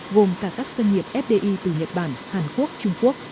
gồm cả các doanh nghiệp fdi từ nhật bản hàn quốc trung quốc